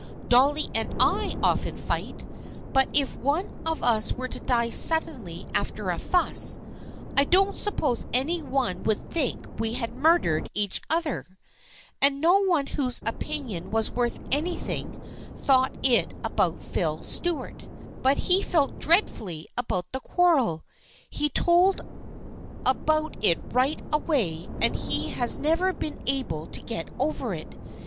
Dolly and I often fight, but if one of us were to die suddenly after a fuss, I don't suppose any one would think we had mur dered each other! And no one whose opinion was worth anything thought it about Phil Stuart. But he felt dreadfully about the quarrel. He told about it right away and he has never been able to get over it.